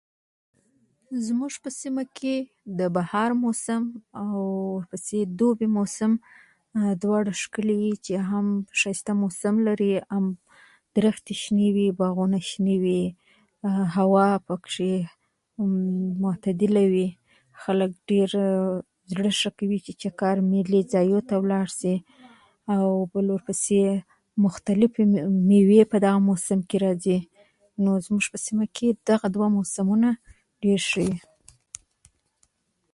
که وخت لرې نن مازيګر يو ځای چای وڅښو او لږ مجلس وکړو